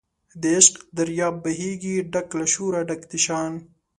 د عشق دریاب بهیږي ډک له شوره ډک د شان